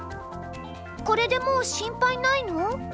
これでもう心配ないの？